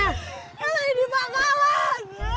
yang tadi di makkawan